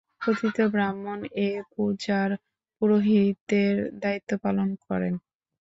পতিত ব্রাহ্মণ এ পূজার পুরোহিতের দায়িত্ব পালন করেন।